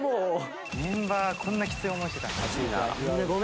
メンバーこんなきつい思いしてた。